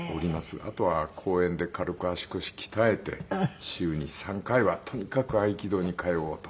あとは公園で軽く足腰鍛えて週に３回はとにかく合気道に通おうと。